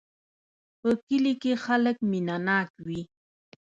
په کلي کې خلک مینه ناک وی